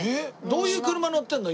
どういう車乗ってるの？